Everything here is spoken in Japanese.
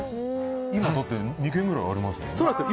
今、だって２軒ぐらいありますもんね。